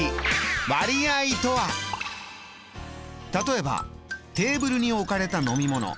例えばテーブルに置かれた飲み物。